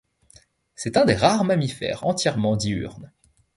C'est un des rares mammifères entièrement diurnes.